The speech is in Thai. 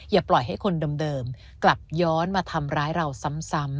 อย่าปล่อยให้คนเดิมกลับย้อนมาทำร้ายเราซ้ำ